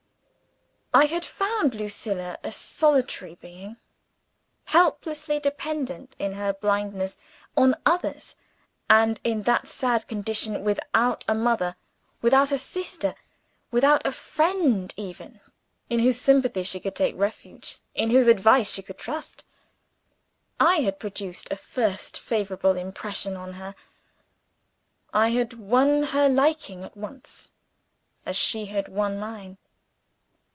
I had found Lucilla a solitary being helplessly dependent in her blindness on others and, in that sad condition, without a mother, without a sister, without a friend even in whose sympathies she could take refuge, in whose advice she could trust. I had produced a first favorable impression on her; I had won her liking at once, as she had won mine.